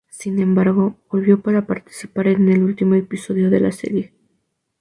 Sin embargo volvió para participar en el último episodio de la serie.